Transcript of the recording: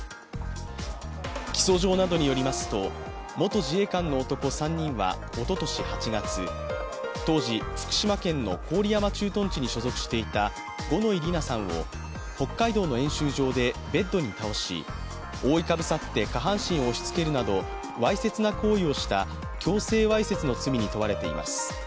起訴状などによりますと、元自衛官の男３人はおととし８月、当時、福島県の郡山駐屯地に所属していた五ノ井里奈さんを北海道の演習場でベッドに倒し覆いかぶさって下半身を押しつけるなどわいせつな行為をした強制わいせつの罪に問われています。